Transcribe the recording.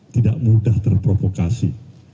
tidak mudah terprovokasi